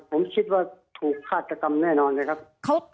ผมคิดว่าถูกฆาตกรรมแน่นอนเลยครับ